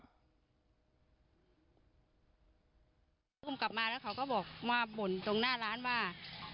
อุ้มกลับมาแล้วเขาก็บอกมาบ่นตรงหน้าร้านว่า